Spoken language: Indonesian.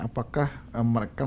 apakah mereka bisa menangani